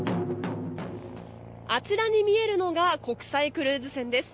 あちらに見えるのが国際クルーズ船です。